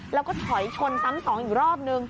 แล้วก็ถอยชนซ้ำสองอีกรอบนึง